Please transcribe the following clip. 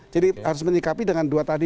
jadi harus menikapi dengan dua tadi